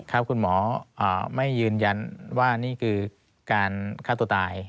คุณหมอไม่ยืนยันว่านี่คือการฆ่าตัวตาย